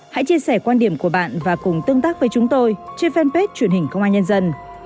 hãy chia sẻ quan điểm của bạn và cùng tương tác với chúng tôi trên fanpage truyền hình công an nhân dân